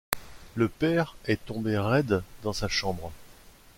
Le père est tombé raide dans sa chambre.